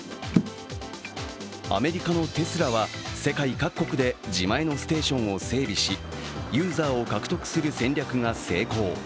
アメリカのテスラは世界各国で自前のステーションを整備しユーザーを獲得する戦略が成功。